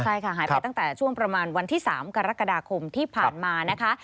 ใช่ค่ะหายไปตั้งแต่ช่วงประมาณวันที่๓กรกฎาคมที่ผ่านมานะคะ